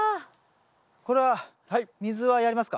これは水はやりますか？